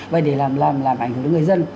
và để làm ảnh hưởng đến người dân